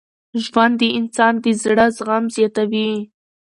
ژوند د انسان د زړه زغم زیاتوي.